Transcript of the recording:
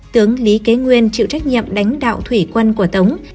tướng lý kế nguyên chịu trách nhiệm đánh đạo thủy quân của tống